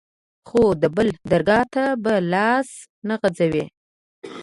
خو د بل درګا ته به لاس نه غځوې.